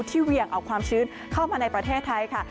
เหวี่ยงเอาความชื้นเข้ามาในประเทศไทยค่ะ